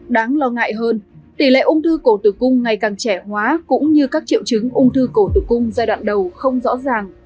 đáng lo ngại hơn tỷ lệ ung thư cổ tử cung ngày càng trẻ hóa cũng như các triệu chứng ung thư cổ tử cung giai đoạn đầu không rõ ràng